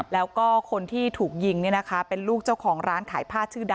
และก็คนที่ถูกยิงเนี่ยนะคะ